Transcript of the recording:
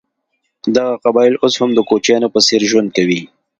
دغه قبایل اوس هم د کوچیانو په څېر ژوند کوي.